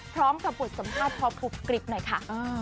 พร้อมกับบทสำเร็จฟอร์ปฟุปกริปหน่อยค่ะ